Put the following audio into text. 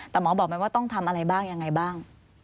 แต่หมอบอกไหมว่าต้องทำอะไรบ้างยังไงบ้าง